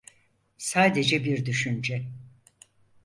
Sadece bir düşünce.